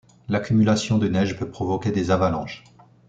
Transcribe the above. L'accumulation de neige peut provoquer des avalanches.